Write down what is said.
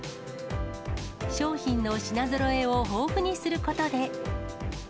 商品の品ぞろえを豊富にすることで。